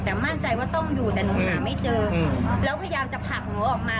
แต่มั่นใจว่าต้องอยู่แต่หนูหาไม่เจอแล้วพยายามจะผลักหนูออกมา